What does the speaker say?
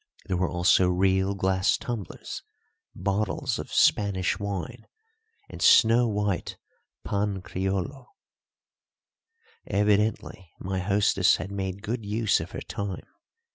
There were also real glass tumblers, bottles of Spanish wine, and snow white pan creollo. Evidently my hostess had made good use of her time.